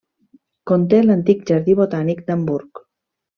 Conté l'antic jardí botànic d'Hamburg.